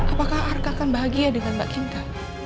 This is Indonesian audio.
apakah arka akan bahagia dengan mbak cinta